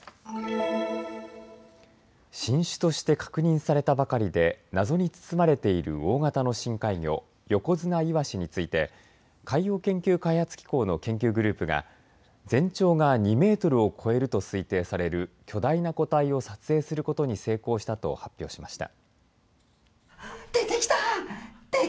新種として確認されたばかりで謎に包まれている大型の深海魚、ヨコヅナイワシについて海洋研究開発機構の研究グループが全長が２メートルを超えると推定される巨大な個体を撮影することに成功したと発表しました。